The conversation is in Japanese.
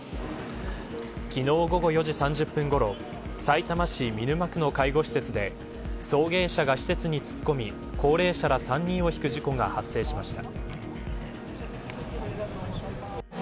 昨日午後４時３０分ごろさいたま市見沼区の介護施設で送迎車が施設に突っ込み高齢者ら３人をひく事故が発生しました。